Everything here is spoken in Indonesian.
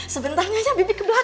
sebentar aja bibit ke belakang